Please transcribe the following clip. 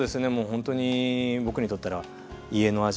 ほんとに僕にとったら家の味